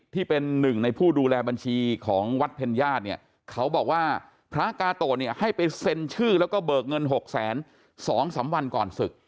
ที่เป็นหนึ่งในผู้ดูแลบัญชีของวัดเพ็ญญาติเนี่ยเขาบอกว่าพระกาโตะเนี่ยให้ไปเซ็นชื่อแล้วก็เบิกเงิน๖๒๓วันก่อนศึก